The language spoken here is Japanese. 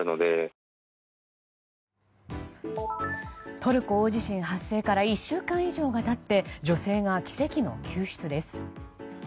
トルコ大地震発生から１週間以上が経って女性が奇跡の救出です。